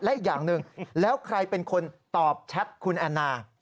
และอีกอย่างหนึ่งแล้วใครเป็นคนตอบแชทคุณแอนนา